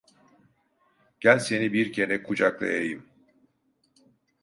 Gel seni bir kere kucaklayayım.